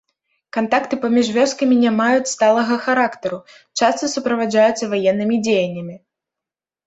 Кантакты паміж вёскамі не маюць сталага характару, часта суправаджаюцца ваеннымі дзеяннямі.